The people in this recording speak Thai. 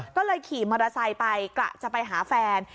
ก็เลยขี่มอเตอร์ไซค์ไปกะจะไปหาแฟน